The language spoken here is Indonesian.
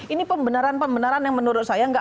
ini pembenaran pembenaran yang menurut saya nggak